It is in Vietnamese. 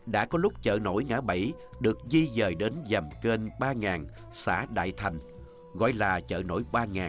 đã có lúc chợ nổi ngã bảy được di dời đến dàm kênh ba xã đại thành gọi là chợ nổi ba